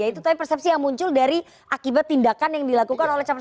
itu tapi persepsi yang muncul dari akibat tindakan yang dilakukan oleh capres